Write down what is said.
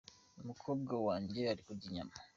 Umukobwa wanjye ari kurya inyama.